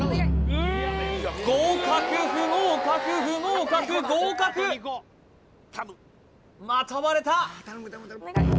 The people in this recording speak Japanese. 合格不合格不合格合格また割れた！